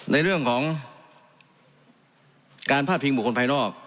ในเรื่องของการพาดพิงบุคคลภายนอก